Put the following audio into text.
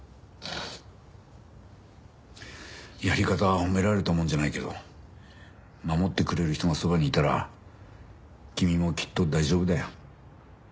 やり方は褒められたもんじゃないけど守ってくれる人がそばにいたら君もきっと大丈夫だよ。